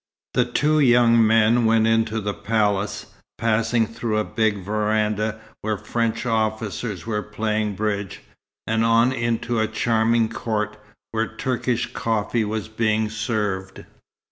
The two young men went into the palace, passing through a big veranda where French officers were playing bridge, and on into a charming court, where Turkish coffee was being served.